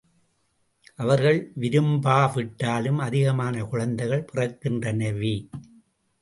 அவர்கள் விரும்பா விட்டாலும் அதிகமான குழந்தைகள் பிறக்கின்றனவே!